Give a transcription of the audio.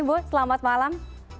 bu selamat malam